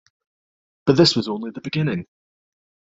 But this was only the beginning.